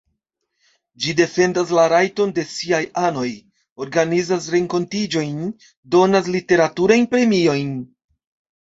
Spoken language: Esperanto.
Ĝi defendas la rajtojn de siaj anoj, organizas renkontiĝojn, donas literaturajn premiojn.